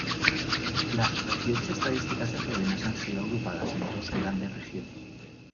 Las regiones estadísticas eslovenas han sido agrupadas en dos grandes regiones